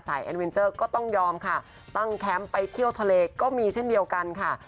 แอนเวนเจอร์ก็ต้องยอมค่ะตั้งแคมป์ไปเที่ยวทะเลก็มีเช่นเดียวกันค่ะ